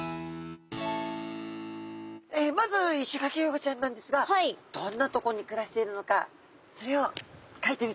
まずイシガキフグちゃんなんですがどんなとこに暮らしているのかそれをかいてみたいと思います。